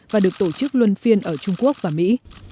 và được tổ chức luân phiên ở trung quốc và mỹ